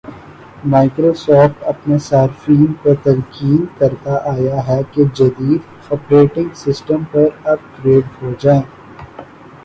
Microsoft اپنے صارفین کو تلقین کرتا آیا ہے کہ جدید آپریٹنگ سسٹمز پر اپ گریڈ ہوجائیں